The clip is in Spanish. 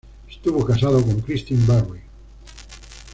Estuvo casado con Christine Barrie.